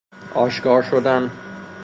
آشکارشدن